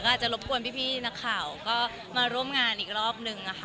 อาจจะรบกวนพี่นักข่าวก็มาร่วมงานอีกรอบนึงนะคะ